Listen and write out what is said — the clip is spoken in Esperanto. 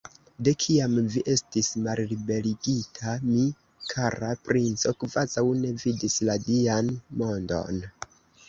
De kiam vi estis malliberigita, mi, kara princo, kvazaŭ ne vidis la Dian mondon!